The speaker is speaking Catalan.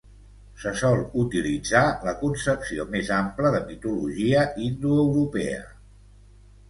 Se sol utilitzar la concepció més ampla de mitologia indoeuropea.